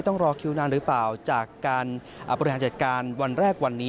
ต้องรอคิวนานหรือเปล่าจากการบริหารจัดการวันแรกวันนี้